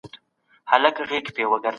د غریبو خلګو حق باید ورته ورسېږي.